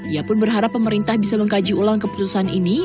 ia pun berharap pemerintah bisa mengkaji ulang keputusan ini